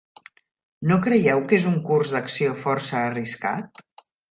No creieu que és un curs d'acció força arriscat?